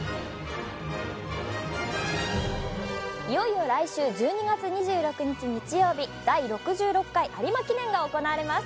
いよいよ来週１２月２６日日曜日第６６回有馬記念が行われます。